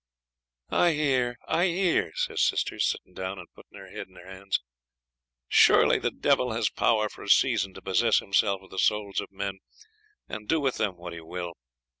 'I hear, I hear,' says sister, sitting down and putting her head in her hands. 'Surely the devil has power for a season to possess himself of the souls of men, and do with them what he will.